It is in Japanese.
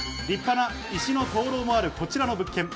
立派な石の灯籠もあるこちらの物件。